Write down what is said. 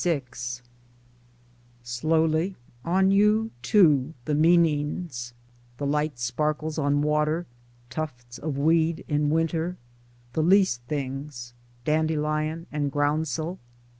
LVI SLOWLY on You, too, the meanings : the light sparkles on water, tufts of weed in winter — the least things —dandelion and groundsel.